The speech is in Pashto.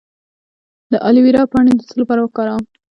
د الوویرا پاڼې د څه لپاره وکاروم؟